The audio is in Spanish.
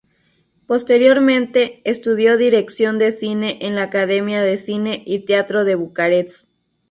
Posteriormente, estudio dirección de cine en la Academia de Cine y Teatro de Bucarest.